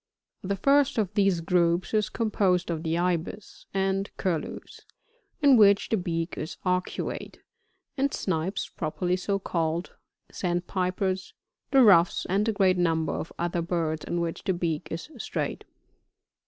46 The first of these groups is composed of the Ibis and Curlews, in which the beak is arctiate, and Snipes properly so called. Sandpipers, the Ruffs, and a great number of other birds in which the beak is straight.